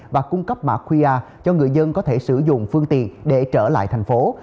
và cung cấp mạc qr cho người dân có thể sử dụng phương tiện để trở lại tp hcm